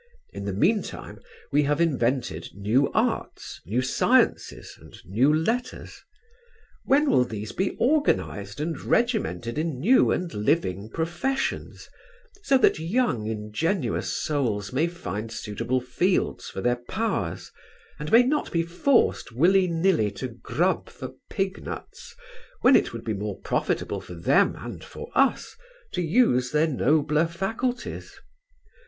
In the meantime we have invented new arts, new sciences and new letters; when will these be organized and regimented in new and living professions, so that young ingenuous souls may find suitable fields for their powers and may not be forced willy nilly to grub for pignuts when it would be more profitable for them and for us to use their nobler faculties?